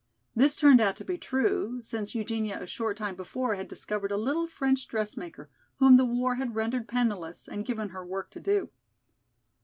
This turned out to be true, since Eugenia a short time before had discovered a little French dressmaker, whom the war had rendered penniless, and given her work to do.